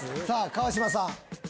⁉さあ川島さん。